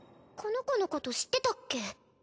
この子のこと知ってたっけ。